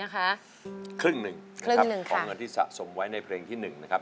ของเงินที่สะสมไว้ในเพลงที่หนึ่งนะครับ